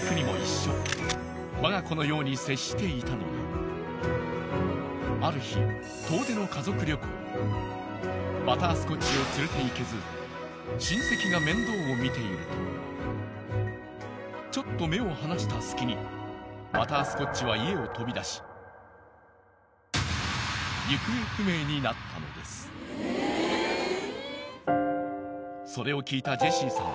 我が子のように接していたのにある日バタースコッチを連れて行けず親戚が面倒を見ているとちょっと目を離した隙にバタースコッチはになったのですそれを聞いたジェシーさん